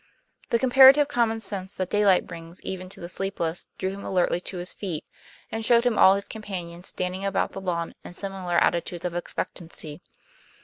The comparative common sense that daylight brings even to the sleepless drew him alertly to his feet, and showed him all his companions standing about the lawn in similar attitudes of expectancy.